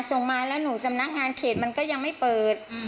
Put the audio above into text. ส่งมาแล้วหนูสำนักงานเขตมันก็ยังไม่เปิด